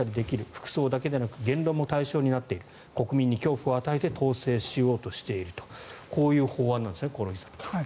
服装だけでなく言論も対象になっている国民に恐怖を与えて統制しようとしているとこういう法案なんですね。